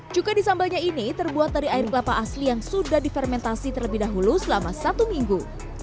cukai di sambalnya ini terbuat dari air kelapa asli yang sudah difermentasi terlebih dahulu selama satu minggu